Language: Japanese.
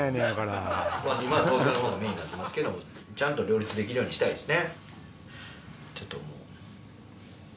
今は東京のほうがメインになってますけどちゃんと両立できるようにしたいですね。